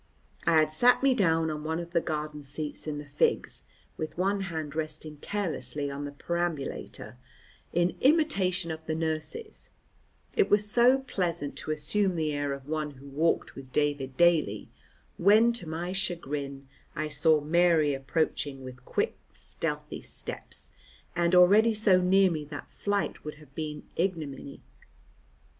I had sat me down on one of the garden seats in the Figs, with one hand resting carelessly on the perambulator, in imitation of the nurses, it was so pleasant to assume the air of one who walked with David daily, when to my chagrin I saw Mary approaching with quick stealthy steps, and already so near me that flight would have been ignominy.